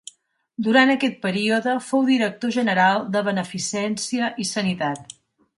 Durant aquest període fou Director General de Beneficència i Sanitat.